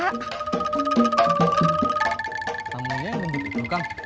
tamanya yang nunggu tidur kang